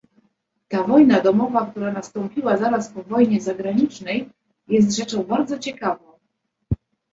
"Ta wojna domowa, która nastąpiła zaraz po wojnie zagranicznej, jest rzeczą bardzo ciekawą."